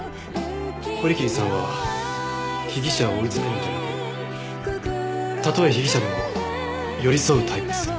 堀切さんは被疑者を追い詰めるんじゃなくたとえ被疑者でも寄り添うタイプです。